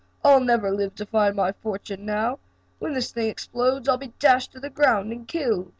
"I'll never live to find my fortune now. When this thing explodes, I'll be dashed to the ground and killed."